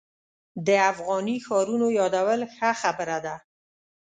د افغاني ښارونو یادول ښه خبره ده.